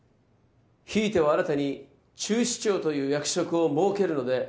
「ひいては新たに厨司長という役職を設けるので」